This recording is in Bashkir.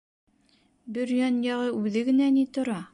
— Бөрйән яғы үҙе генә ни тора!